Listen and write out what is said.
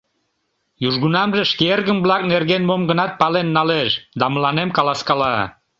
Южгунамже шке эргым-влак нерген мом-гынат пален налеш да мыланем каласкала.